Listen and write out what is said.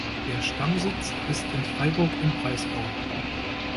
Der Stammsitz ist in Freiburg im Breisgau.